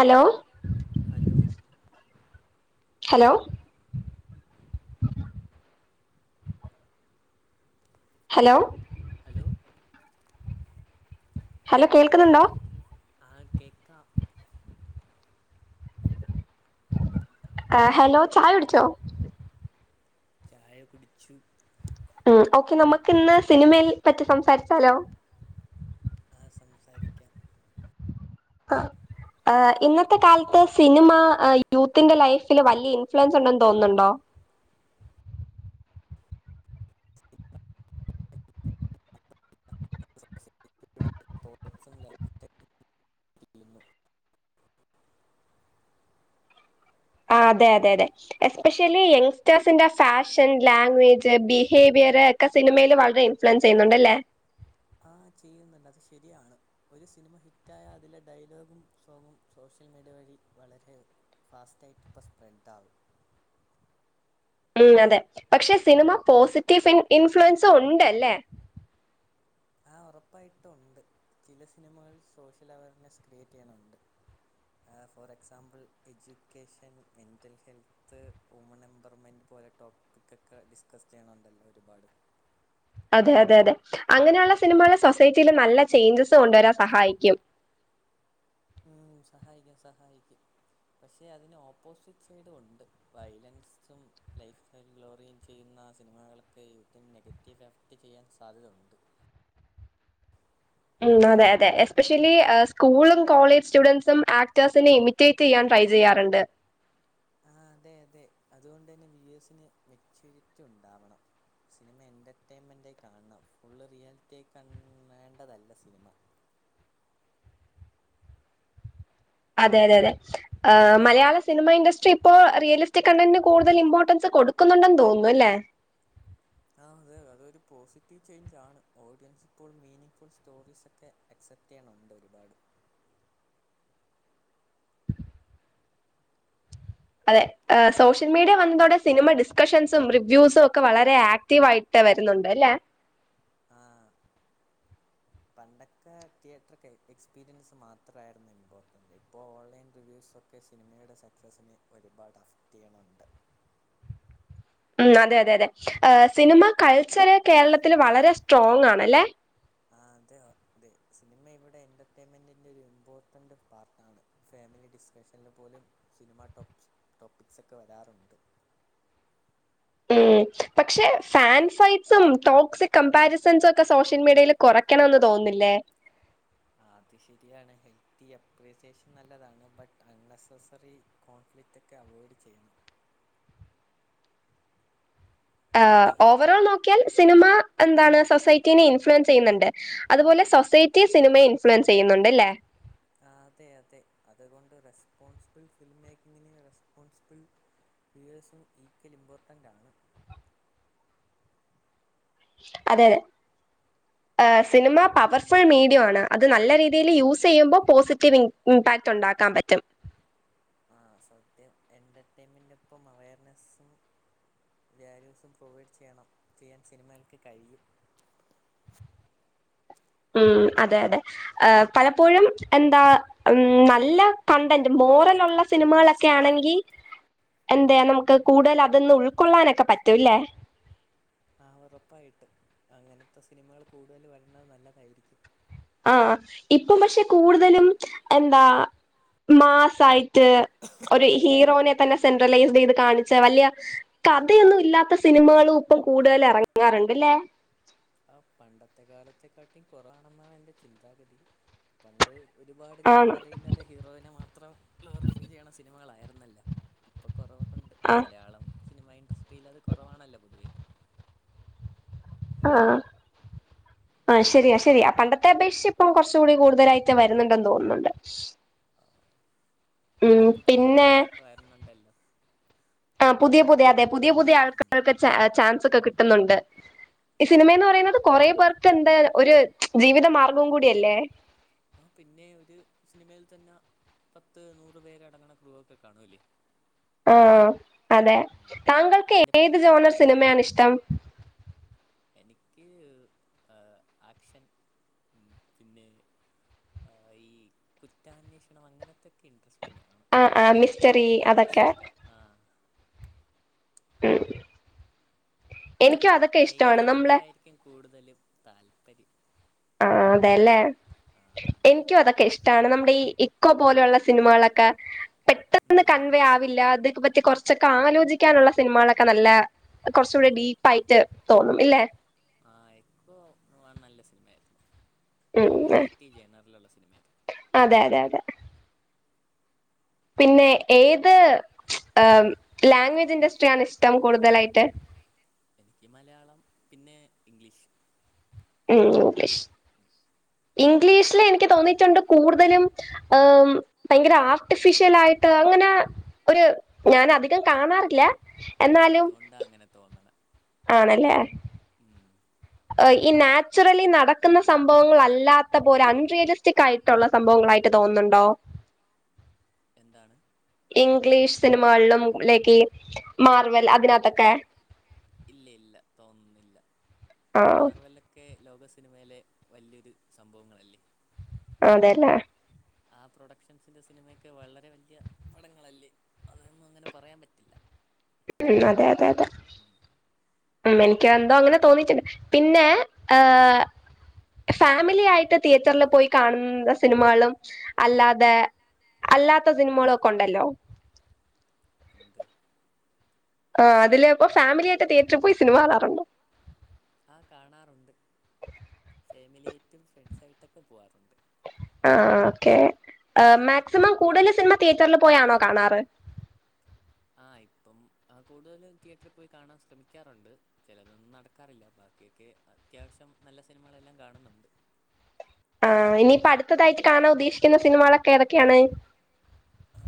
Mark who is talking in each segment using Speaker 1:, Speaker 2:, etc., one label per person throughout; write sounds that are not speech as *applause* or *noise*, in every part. Speaker 1: Hello
Speaker 2: hello
Speaker 1: hello hello
Speaker 2: hello
Speaker 1: hello കേൾക്കുന്നുണ്ടോ?
Speaker 2: ആഹ് കേക്കാ.
Speaker 1: ഏഹ് ഹെലോ ചായുടിച്ചോ?
Speaker 2: ചായ കുടിച്ചു.
Speaker 1: ഉം ഓക്കെ നമുക്ക് ന്ന് സിനിമയിൽ പറ്റി സംസാരിച്ചാലോ?
Speaker 2: ആഹ് സംസാരിക്ക്യാം.
Speaker 1: ആഹ് ഏഹ് ഇന്നത്തെ കാലത്ത് സിനിമ യൂത്തിന്റെ ലൈഫില് വലിയ ഇൻഫ്ലുവൻസ് ഉണ്ടെന്ന് തോന്നുന്നുണ്ടോ?
Speaker 2: തോ *unintelligible*
Speaker 1: ആഹ് അതെ അതെ അതെ. എസ്പെഷ്യലി യങ്സ്റ്റേഴ്സിന്റെ ഫാഷൻ, ലാംഗ്വേജ്, ബിഹേവിയർ, ക്കെ സിനിമയില് വളരെ ഇൻഫ്ലുവൻസ് ചെയ്യുന്നുണ്ടല്ലേ?
Speaker 2: ഹാഹ് ചെയ്യുന്നുണ്ട് അത് ശരിയാണ്. ഒരു സിനിമ ഹിറ്റായാ അതിലെ ഡയലോഗും സോങ്ങും സോഷ്യൽ മീഡിയ വഴി വളരെ ഫാസ്റ്റായിട്ട് പ്പ സ്പ്രെഡാവും.
Speaker 1: ഉം അതെ പക്ഷെ സിനിമ പോസിറ്റീഫിൻ ഇൻഫ്ലുവൻസും ഉണ്ടല്ലേ?
Speaker 2: ആഹ് ഉറപ്പായിട്ടു ഉണ്ട്. ചില സിനിമകൾ സോഷ്യൽ അവെയർനെസ് ക്രിയേറ്റ് ചെയ്യ്ണുണ്ട്. ഏഹ് for example education mental health woman empowerment പോലെ ടോപ്പിക്കൊക്കെ ഡിസ്കസ് ചെയ്യ്ണുണ്ടല്ലോ ഒരുപാട്.
Speaker 1: അതെ അതെ അതെ. അങ്ങനെയുള്ള സിനിമകൾ സൊസൈറ്റിയിൽ നല്ല ചേഞ്ചസ് കൊണ്ടുവരാൻ സഹായിക്കും.
Speaker 2: ഉം സഹായിക്കും സഹായിക്കും. പക്ഷേ അതിന് ഓപ്പോസിറ്റ് സൈഡും ഉണ്ട്. വൈലൻസ് സും ലൈഫ് സ്റ്റൈൽ ഗ്ലോറിയൻ ചെയ്യുന്ന സിനിമകൾക്ക് യുറ്റന് നെഗറ്റീവ് എഫക്റ്റ് ചെയ്യാൻ സാധ്യത ഉണ്ട്.
Speaker 1: ഉം അതെ അതെ. എസ്പെഷ്യലി സ്കൂളും കോളേജ് സ്റ്റുഡന്റ്സും ആക്ടേഴ്സിനെ ഇമി റ്റേറ്റ് ചെയ്യാൻ ട്രൈ ചെയ്യാറ്ണ്ട്.
Speaker 2: ആഹ് അതെ അതെ. അതുകൊണ്ടന്നെ വ്യുവേസിന് മെച്യൂരിറ്റി ഉണ്ടാവണം. സിനിമ എൻ്റർടൈയിൻമെന്റായി കാണണം ഫുള്ള് റിയാലിറ്റിയായി കൺ ണേണ്ടതല്ല സിനിമ.
Speaker 1: അതെ അതെ അതെ മലയാള സിനിമ ഇഡസ്ട്രി ഇപ്പോ റിയലിസ്റ്റിക് കണ്ണന്ന് കൂടുതൽ ഇമ്പോർട്ടൻസ് കൊടുക്കുന്നുണ്ടെന്ന് തോന്ന്ന്നു അല്ലേ
Speaker 2: ആഹ് അതെ അതൊരു പോസിറ്റീവ് ചൈഞ്ചാണ് ഓഡിയൻസ് ഇപ്പോളും മീനിങ് ഫുൾ സ്റ്റോറീസക്കെ എക്സെപ്റ്റിയ്യാൺ തോന്ന്ന്ന്ണ്ട് ഒരുപാട്
Speaker 1: അതെ സോഷ്യൽ മീഡിയ വന്നതോടെ സിനിമ ഡിസ്കഷൻസും റിവ്യൂസും ഒക്കെ വളരെ ആക് റ്റീവായിട്ട് വരുന്നുണ്ട് ല്ലേ
Speaker 2: ആഹ്
Speaker 1: *inaudible*
Speaker 2: പണ്ടക്കെ തിയേറ്റ്രക്കെ എക്സ്പീരിയൻസ് മാത്രാര്ന്നു ഇമ്പോർട്ടന്റ് ഇപ്പോ ഓൺലൈൻ റിവ്യൂസൊ ക്കെ സിനിമേടെ സക്സസിന് ഒരുപാട് അഫ്ത്തികള്ണ്ട്
Speaker 1: ഉം അതെ അതെ അതെ സിനിമ കൾച്ചറ് കേരളത്തിൽ വളരെ സ്ട്രോങ്ങാണല്ലേ
Speaker 2: ആഹ് അതെയോ തെ സിനിമ ഇവിടെ എൻ്റർടൈമെന്റിൻ്റൊരു ഇമ്പോർട്ടൻ്റ് പാർട്ടാണ് ഫാമിലി ഡിസ്കഷ്ന്ൽ പോലും സിനിമാ ടോപ്സ് ടോപ്പിക്സൊക്കെ വരാറുണ്ട്
Speaker 1: ഉം പക്ഷെ ഫാൻ ഫൈറ്റ്സും ടോക്സി കമ്പാരിസൺസൊക്കെ സോഷ്യൽ മീഡ്യേല് കൊറയ്ക്കണംന്ന് തോന്ന്ന്നില്ലേ
Speaker 2: അത് ശരിയാണ് ഹെൽത്തി അപ്രേസിയേഷൻ നല്ലതാണ് ബട്ട് അൺനെസ്സസറി കോൺഫ്ലിക്റ്റക്കെ അവേഡ് ചെയ്യണം
Speaker 1: ആഹ് ഓവറോൾ നോക്കിയാൽ സിനിമ എന്താണ് സൊസൈറ്റിനിം ഇൻഫ്ലുവൻസയയ്യ്ന്നുണ്ട് അത്പോലെ സൊസൈറ്റി സിനിമയെ ഇൻഫ്ലുവൻസ് ചെയ്യന്നുണ്ട്ല്ലേ
Speaker 2: ആതെ അതെ അത്കൊണ്ട് റെസ്പോൺസ്ബ്ൾ ഫിൽമേക്കിങ്ങിന് റെസ്പോൺസ്ബ്ൾ വിയേഴ്സും ഈക്കല് ഇമ്പോർട്ടൻ്റാണ്
Speaker 1: അതെയതെ സിനിമ പവർഫുൾ മീഡിയോ ആണ് അത് നല്ല രീതിയിൽ യൂസിയ്യുമ്പോ പോസിറ്റീവി ഇംപാക്റ്റുണ്ടാക്കാപറ്റും
Speaker 2: ആഹ് സത്യം എന്റർട്ടൈമന്റും പ്പം അവെയർനസും വാല്യൂസും പ്രൊവൈഡ് ചിയണം ചെയ്യാൻ സിനിമേൽക്ക് കഴിയും
Speaker 1: ഉം അതെ അതെ പലപ്പോഴും എന്താ ഉം നല്ല കണ്ടന്റ് മോറലുള്ള സിനിമകളക്കെ
Speaker 2: സിനിമ
Speaker 1: ആണെങ്കി എന്തേ നമുക്ക് കൂടൽ അതന്ന് ഉൾക്കൊള്ളാനക്കെ പറ്റു ല്ലേ
Speaker 2: ആഹ് ഒറപ്പായിട്ട് അങ്ങനത്തെ സിനിമകള് കൂടുതൽ വര്ന്നത് നല്ലതായിരിക്ക്യും
Speaker 1: ആഹ് ഇപ്പം പക്ഷെ കൂടുതലും എന്താ മാസായി റ്റേ ഒരു ഹീറോനെ തന്നെ സെൻട്രലൈസ് ചെയ്ത് കാണിച്ച വല്യയ കഥയൊന്നും ഇല്ലാത്ത സിനിമകളൂപ്പം കൂടുതൽ എറങ്ങാറ്ണ്ട്ല്ലേ
Speaker 2: ആഹ് പണ്ടത്തെ കാലത്തെക്കാട്ടി കൊറാവാണെന്നാണ് എൻ്റെ ചിന്താഗതി പണ്ട് ഒരുപാട്ങ്ങനെ
Speaker 1: ആണോ
Speaker 2: കഥയില്ലാതെ ഹീറോനെ മാത്രം ക്ലോറിഫൈ ചെയ്ണ സിനിമകളായിര്ന്നല്ല ഇപ്പ കൊറവൊക്കണ്ട്
Speaker 1: ആഹ്
Speaker 2: മലയാളം സിനിമ ഇൻഡസ്ട്രിയിൽ അത് കുറവാണല്ലോ പൊതുവേ
Speaker 1: ആഹ് ആഹ് ശരിയാ ശരിയാ പണ്ടത്തെ അപേശ്ശിപ്പം കൊർച്ചു കൂടി കൂടുതലായിറ്റ വര്ന്ന്ണ്ടെന്ന് തോന്ന്ന്നുണ്ട്
Speaker 2: ഇപ്പൊ പുതിയ
Speaker 1: പിന്നെ
Speaker 2: ആക്കേഴ്സക്കെ വാര്ന്നുണ്ടല്ലോ
Speaker 1: ആഹ് പുതിയ പുതിയ അതെ പുതിയ പുതിയ ആൾക ആൾക്കാര്ക്ക് ചേ ചാൻസൊക്കെ കിട്ട്ന്നുണ്ട് ഈ സിനിമേന്ന് പറയുന്നത് കൊറെ പേർ പെന്തേ ഒര് ജീവിത മാർഗ്ഗവും കൂടിയല്ലേ
Speaker 2: ആഹ് പിന്നെ ഒരു സിനിമയിൽ തന്നാ പത്ത് നൂറ് പേര അടങ്ങണ ക്ലൂഒക്കെ കാണ്വുല്ലേ
Speaker 1: ആഹ് അതെ താങ്കൾക്ക്
Speaker 2: അതിന്റെ
Speaker 1: ഏത്
Speaker 2: പിറക്
Speaker 1: ജോണർ സിനിമേണ് ഇഷ്ട്ടം
Speaker 2: എനിക്ക് ആക്ഷൻ പിന്നെ ഈ കുറ്റാന്വേഷണം അങ്ങനത്തൊക്കെ ഇൻട്രസ്റ്റിംഗ് ആണ്.
Speaker 1: ആഹ് ആഹ്
Speaker 2: ക്രൈം
Speaker 1: മിസ്റ്ററി
Speaker 2: സ്റ്റോറീസ്
Speaker 1: അതൊക്കെ
Speaker 2: ഒക്കെ ആഹ്
Speaker 1: ക്ക് എനിക്കും അതൊക്കെ
Speaker 2: ക്രയിം
Speaker 1: ഇഷ്ടമാണ് നമ്മളെ
Speaker 2: ത്രില്ലറായിരിക്കും കൂടുതലും താൽപര്യം.
Speaker 1: ആ അതേല്ലെ. എനിക്കും അതതൊക്കെ ഇഷ്ട ട്ടാണ്. നമ്മുടെ ഈ ഇക്കോ പോലുള്ള സിനിമകളൊക്കെ പെട്ടെന്ന്
Speaker 2: ഉം,
Speaker 1: കൺവേ ആവില്ല അത് പറ്റി കുറച്ചൊക്കെ ആലോചിക്കാനുള്ള സിനിമകളൊക്കെ നല്ല കൊറ്ച്ചുകൂടെ
Speaker 2: ഉം.
Speaker 1: ഡീപ്പ ആയിട്ട് തോന്നും. ഇല്ലെ
Speaker 2: ആ ഇപ്പോ നല്ല സിനിമയായിരുന്നു ഒരു
Speaker 1: ഉം
Speaker 2: വെറൈറ്റി ജനറൽള്ള സിനിമയായിരുന്നു
Speaker 1: അതെ അതെ അതെ പിന്നെ ഏത് ലാംഗ്വേജ് ഇൻഡസ്ട്രിയ ആണ് ഇഷ്ടം കൂടുതലായിട്ട്
Speaker 2: എനിക്ക് മലയാളം പിന്നെ ഇഗ്ലീഷ്.
Speaker 1: ളം ഇംഗ്ലീഷ ഇംഗ്ലീഷില് എനിക്ക് തോന്നിയിട്ടുണ്ട് കൂടുതലും ഹ്ദ ഭയങ്കര ആർട്ടിഫിഷൽ ആയിട്ട് അങ്ങനെ ഒരു ഞാൻ അധികം കാണാറില്ല.
Speaker 2: ആഹ് അതോണ്ടാ അങ്ങനെ തോന്ന്ണെ
Speaker 1: ആണല്ലെ
Speaker 2: ഉം
Speaker 1: ഈ നാച്ചുറലി നടക്കുന്ന സംഭവങ്ങൾ അല്ലാത്ത പോലെ അൺറിയലിസ്റ്റിക് ആയിട്ട് ട്ടാള്ള സംഭവങ്ങളായിട്ട് തോന്നുന്നുണ്ടോ.
Speaker 2: എന്താണ്
Speaker 1: ഇംഗ്ലീഷ് സിനിമകളിലും ലൈക്‌ മാർവൽ അതിനകത്തൊക്കെ
Speaker 2: ഇല്ല ഇല്ല തോന്നുന്നില്ല
Speaker 1: ആഹ്
Speaker 2: മാർവല്ല ക്കെ ലോക സിനിമയിലെ വല്യരു സംഭവങ്ങളല്ലേ.
Speaker 1: അതല്ലേ
Speaker 2: ആ പ്രൊഡക്ഷൻസിന്റെ സിനിമ ഒക്കെ വളരെ വലിയ പടങ്ങളല്ലേ അതൊന്നും അങ്ങനെ പറയാൻ പറ്റില്ല
Speaker 1: ഉം അതെ അതെ അതെ ഉം എനിക്ക് എന്തോ അങ്ങനെ തോന്നീട്ടുണ്ട് പിന്നെ ഏഹ് ഫാമിലി ആയിട്ട് തിയേറ്ററിൽ പോയി കാണുന്ന സിനിമകളും അല്ലാതെ അല്ലാത്ത സിനിമകളും ഒക്കെ ഉണ്ടല്ലോ
Speaker 2: ഉണ്ട്
Speaker 1: ആഹ് ആതില് ഇപ്പോ ഫമിലി ആയിട്ട് തയേറ്ററി പോയി സിനിമ കാണാറുണ്ടോ.
Speaker 2: ആഹ് കാണാറുണ്ട്. ഫാമിലിയായിട്ടും ഫ്രണ്ട്സായിട്ടൊക്കെ പോകാറുണ്ട്.
Speaker 1: ആഹ് ഓക്കേ. ആഹ് മാക്സിമം കൂടുതലു സിനിമ തിയേറ്ററിൽ പോയാണോ കാണാറ്.
Speaker 2: ആഹ് ഇപ്പം ആഹ് കൂടുതലും തിയേറ്ററിൽ പോയി കാണാൻ ശ്രമിക്കാറുണ്ട്. ചെലതൊന്നും നടക്കാറില്ല ബാക്ക്യാെക്കെ അത്യാവശ്യം നല്ല സിനിമകളെല്ലാം കാണുന്നുണ്ട്.
Speaker 1: ആഹ് ഇനിയിപ്പൊ അടുത്തതായിട്ട് കാണാൻ ഉദ്ദേശിക്കുന്ന സിനിമകളൊക്കെ ഏതൊക്കെയാണ്.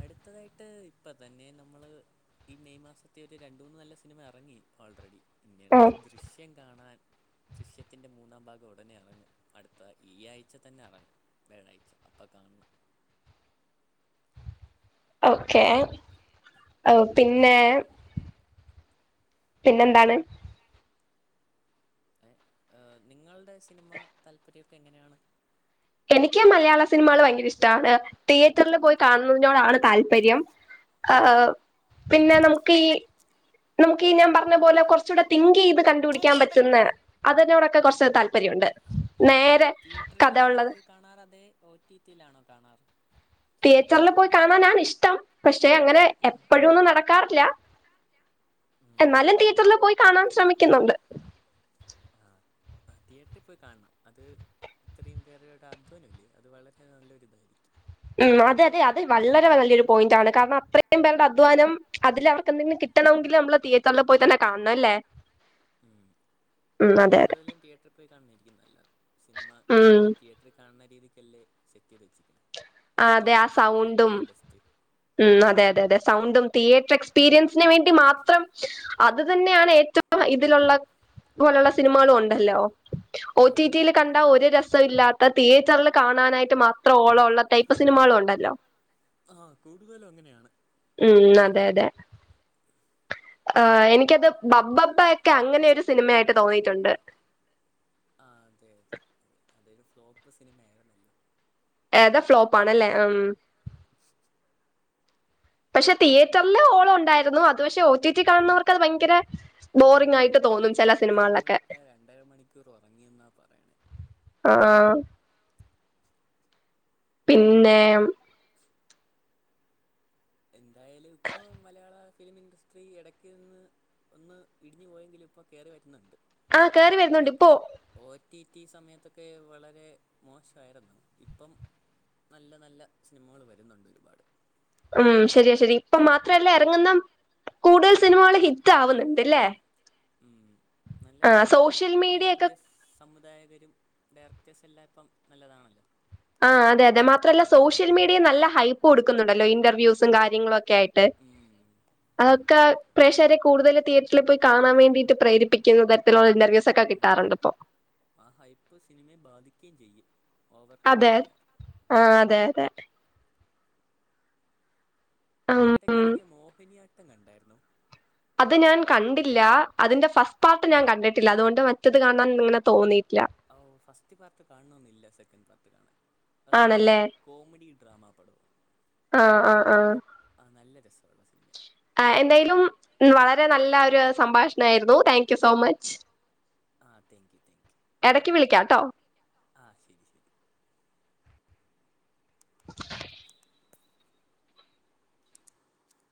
Speaker 2: അടുത്തതായിട്ട് ഇപ്പ തന്നെ നമ്മള്. ഈഹ് മെയ് മാസത്ത് ഒരു രണ്ടു മൂന്ന് നല്ല സിനിമ എറങ്ങി ഓൾറെഡി. പിന്നെ അടുത്ത്
Speaker 1: ആഹ്
Speaker 2: ദൃശ്യം കാണാൻ. ദൃശ്യത്തിന്റെ മൂന്നാം ഭാഗം ഉടനെ എറങ്ങും. അടുത്ത ഈ ആഴ്ച തന്നെ എറങ്ങും. വ്യാഴാഴ്ച്ച അപ്പ കാണണം.
Speaker 1: ഓക്കെ ഔ പിന്നെ പിന്നെന്താണ്.
Speaker 2: ഏഹ് ഏഹ് നിങ്ങളുടെ സിനിമ താല്പര്യം ഒക്കെ എങ്ങനേണ്.
Speaker 1: എനിക്ക് മലയാളം സിനിമകൾ ഭയങ്കര ഇഷ്ടാണ്, തീയേറ്ററിൽ പോയി കാണുന്നതിനോടാണ് താല്പര്യം. ആഹ് ആഹ് പിന്നെ നമുക്ക് ഈ.
Speaker 2: പിന്നെ
Speaker 1: നമുക്ക് ഈ ഞാൻ പറഞ്ഞുപോലെ കുറച്ചും കൂടി തിങ്ക് ചെയ്ത് കണ്ടു പിടിക്കാൻ
Speaker 2: സംഗീത
Speaker 1: പറ്റുന്നു. അതിനോടൊക്കെ കൊറച്ച് താല്പര്യം ഉണ്ട്, നേരെ.
Speaker 2: തീയറ്ററിൽ
Speaker 1: കഥ
Speaker 2: ആണോ
Speaker 1: ഉള്ളത്
Speaker 2: പോയി കാണാറത്, ഒ ടി ടി യിലാണോ കാണാറ്?
Speaker 1: തീയേറ്ററിൽ പോയി കാണാനാണ് ഇഷ്ടം, പക്ഷെ അങ്ങനെ എപ്പഴും ഒന്നും നടക്കാ ക്കാറില്ല
Speaker 2: ഉം
Speaker 1: എന്നാലും തീയറ്ററിൽ പോയി കാണാൻ ശ്രമിക്കുന്നുണ്ട്.
Speaker 2: ആഹ് തീയേറ്ററിൽ പോയി കാണണം, അത് ഇത്രയും പേരുടെ അധ്വാനല്ലേ അത് വളരെ നല്ലൊരു ഇതായിരിക്കും.
Speaker 1: ഉം അതെ അതെ അത് വളരെ വലിയൊരു പോയിന്റ് ആണ്, കാരണം അത്രയും പേരുടെ അധ്വാനം അതിൽ അവർ എന്തെങ്കിലും കി കിട്ടണമെങ്കിൽ നമ്മള് തീയേറ്ററിൽ പോയി തന്നെ കാണണമല്ലോ.
Speaker 2: ഉം
Speaker 1: അതെ
Speaker 2: കൂടുതലും തീയേറ്ററിൽ പോയി കാണുന്നായിരിക്കും നല്ലത് സിനിമ
Speaker 1: ഉം
Speaker 2: അവര് തീയേറ്റ തീയറ്ററിൽ കാണുന്ന രീതിക്കല്ലേ സെറ്റ് ചെയ്ത് വെച്ചേക്കേണ്,
Speaker 1: ആ, അതെ ആ
Speaker 2: എക്സ്പീരിയൻസ് ചെയ്യാൻ തീയറ്റർ
Speaker 1: സൗണ്ടും
Speaker 2: അല്ലേ ബെസ്റ്റ്.
Speaker 1: ഉം അതെ അതെ അതെ സൗണ്ടും തീയേറ്റർ എക്സ്പീരിയൻസിന് വേണ്ടി മാത്രം. അതു തന്നെയാണ് ഏറ്റവും ഇതിലുള്ള ഇതുപോലുള്ള സിനിമകളും ഉണ്ടല്ലോ? ഒ
Speaker 2: ഉം
Speaker 1: ടി ടി യിൽ കണ്ടാൽ ഒരു രസം ഇല്ലാത്ത തീയേറ്ററിൽ കാണാനായിട്ട് മാത്രം ഓളം ഉള്ള ടൈപ്പ്. സിനിമകളും ഉണ്ടല്ലോ?
Speaker 2: ആഹ് കൂടുതലും അങ്ങനെയാണ്.
Speaker 1: ഉം അതെ അതെ. ആഹ് എനിക്ക് അത് ബ്ബബ്ബഭ ഒക്കെ അങ്ങനൊരു സിനിമയായിട്ട് തോന്നിയിട്ടുണ്ട്.
Speaker 2: ആഹ് അതെ അതെ അതൊരു ഫ്ലോപ്പ് സിനിമ ആയിരുന്നല്ലേ.
Speaker 1: ഏതാ ഫ്ലോപ്പ് ആണല്ലേ ഉം. പക്ഷെ തീയേറ്ററിലെ ഓളം ഉണ്ടായിരുന്നു, അത് പക്ഷെ ഒ ടി ടി കാണുന്നവർക്ക് അത് ഭയങ്കര ബോറിങ്.
Speaker 2: ഉം ഒ ടി ടി കാണുന്നവരൊക്കെ രണ്ടര മണിക്കൂർ ഉറങ്ങി എന്നാ പറയണ.
Speaker 1: ആഹ് പിന്നെ
Speaker 2: എന്തായാലും ഇപ്പം മലയാളം ഫിലിം ഇൻസ്ട്രി ഇടയ്ക്കുന്നേ. ഒന്ന് ഇടിഞ്ഞു പോയെങ്കിലും ഇപ്പൊ കേറി വരുന്നുണ്ട്
Speaker 1: ആ കേറി വരുന്നുണ്ട് ഇപ്പോ
Speaker 2: ഇടയ്ക്ക്. ഒ ടി ടി സമയത്തൊക്കെ വളരെ മോശമായിരുന്നു ഇപ്പം. നല്ല നല്ല സിനിമകൾ വരുന്നുണ്ട് ഒരുപാട്.
Speaker 1: ഉം ശരിയാ ശരി ഇപ്പം മാത്രമല്ല, ഇറങ്ങുന്ന കൂടുതൽ സിനിമകൾ ഹിറ്റ് ആവുന്നുണ്ട് അല്ലേ.
Speaker 2: ഉം നല്ല സിനിമകളും
Speaker 1: സോഷ്യൽ
Speaker 2: ആഹ് നല്ല
Speaker 1: മീഡിയ ഒക്കെ
Speaker 2: പുതിയ സ് സംവിധായകരും ഡയറക്ടേഴ്സ് എല്ലാം ഇപ്പം നല്ലതാണ് അല്ലോ.
Speaker 1: ആഹ് അതെ അതെ മാത്രല്ല സോഷ്യൽ
Speaker 2: ഇറക്കാം
Speaker 1: മീഡിയയിൽ നല്ല ഹൈ പ്പ് കൊടുക്കുന്നുണ്ടല്ലോ ഇന്റർവ്യൂസും കാര്യങ്ങളും ഒക്കെ ആയിട്ട്.
Speaker 2: ഉം
Speaker 1: അതൊക്കെ പ്രേക്ഷകരെ കൂടുതൽ തീയേറ്ററിൽ പോയി കാണാൻ വേണ്ടിട്ട് പ്രേരിപ്പിക്കുന്ന തരത്തിലുള്ള ഇന്റർവ്യൂസ്. ഒക്കെ കിട്ടാറുണ്ട് ഇപ്പൊ.
Speaker 2: ആഹ് ഹൈപ്പ് സിനിമയെ ബാധിക്കുകയും ചെയ്യും. ഓവർ
Speaker 1: അതെ
Speaker 2: ഹൈപ്പായാൽ
Speaker 1: ആഹ് അതെ അതെ. ആ
Speaker 2: ഈ ഇടയ്ക്ക് ഇറങ്ങിയ മോഹിനിയാട്ടം കണ്ടായിരുന്നോ?
Speaker 1: അത് ഞാൻ കണ്ടില്ല അതിന്റെ ഫസ്റ്റ് പാർട്ട് ഞാൻ കണ്ടിട്ടില്ല, അതുകൊണ്ട് മറ്റേത് കാണാൻ ഇങ്ങനെ തോന്നിയിട്ടില്ല.
Speaker 2: ഓഹ് ഫസ്റ്റ് പാർട്ട് കാണണമെന്നില്ല, സെക്കന്റ്‌ പാർട്ട് കാണാൻ. അതൊരു
Speaker 1: ആണല്ലേ
Speaker 2: ആഹ് കോമഡി ഡ്രാമ പടവാണ് ആഹ് ആഹ്. ആഹ് നല്ല രസമുള്ള സിനിമ ആയിരിക്കും.
Speaker 1: ആഹ് എന്തായാലും വളരെ നല്ല ഒരു സംഭാഷണ ആയിരുന്നു താങ്ക് യു സോ മച്ച്.
Speaker 2: ആഹ് താങ്ക് യു താങ്ക് യു.
Speaker 1: എടയ്ക്ക് വിളിക്ക്യാ ട്ടോ
Speaker 2: ആഹ് ശെരി ശെരി
Speaker 1: *inaudible*